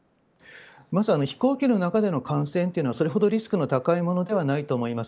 まず飛行機の中での感染というのはそれほどリスクの高いものではないと思います。